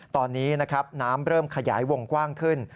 ตอนนี้นะครับน้ำเริ่มขยายวงกว้างขึ้น